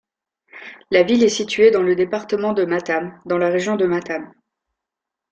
La ville est située dans le département de Matam dans la région de Matam.